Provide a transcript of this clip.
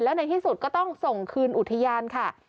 แล้วในที่สุดก็ต้องส่งคืนอุทยานค่ะ